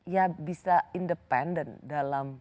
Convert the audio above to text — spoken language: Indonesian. ya bisa independen dalam